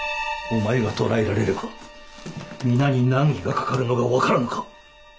お前が捕らえられれば皆に難儀がかかるのが分からぬか！？